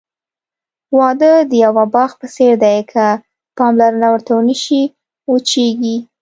واده د یوه باغ په څېر دی، که پاملرنه ورته ونشي، وچېږي.